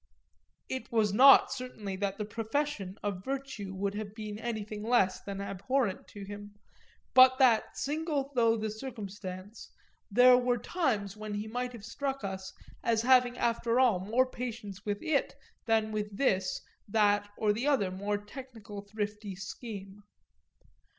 It was not certainly that the profession of virtue would have been anything less than abhorrent to him, but that, singular though the circumstance, there were times when he might have struck us as having after all more patience with it than with this, that or the other more technical thrifty scheme.